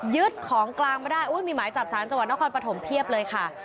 ยึดของกลางมาได้มีหมายจับสารจังหวัดนครปฐมเพียบเลยค่ะ